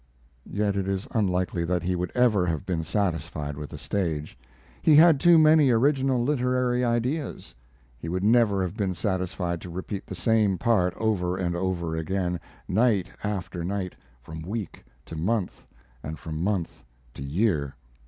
Yet it is unlikely that he would ever have been satisfied with the stage. He had too many original literary ideas. He would never have been satisfied to repeat the same part over and over again, night after night from week to month, and from month to year.